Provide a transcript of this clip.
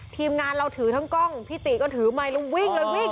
ทีมงานเราถือทั้งกล้องพี่ติก็ถือไมค์แล้ววิ่งเลยวิ่ง